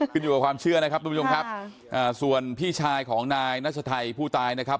อยู่กับความเชื่อนะครับทุกผู้ชมครับส่วนพี่ชายของนายนัชชัยผู้ตายนะครับ